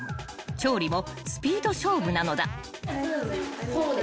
［調理もスピード勝負なのだ］